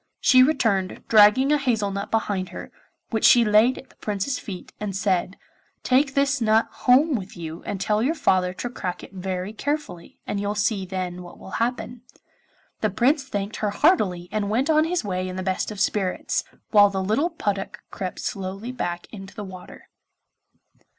She returned, dragging a hazel nut behind her, which she laid at the Prince's feet and said, 'Take this nut home with you and tell your father to crack it very carefully, and you'll see then what will happen.' The Prince thanked her heartily and went on his way in the best of spirits, while the little puddock crept slowly back into the water.